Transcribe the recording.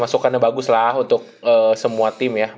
masukannya bagus lah untuk semua tim ya